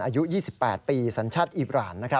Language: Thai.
อายุ๒๘ปีสัญชาติอีบราน